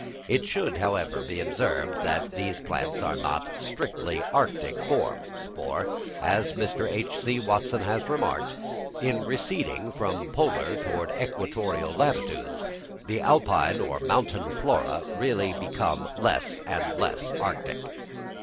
It should, however, be observed that these plants are not strictly arctic forms; for, as Mr. H.C. Watson has remarked, "in receding from polar toward equatorial latitudes, the Alpine or mountain flora really become less and less Arctic."